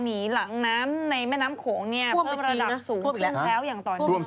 หนีหลังน้ำในแม่น้ำโขงเนี่ยเพิ่มระดับสูงยิ่งแพ้ล่ะในห่วมพิคิง